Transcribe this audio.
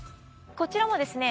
こちらもですね